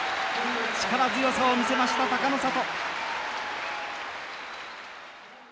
力強さを見せました、隆の里。